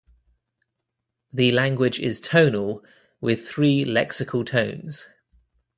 The language is tonal, with three lexical tones.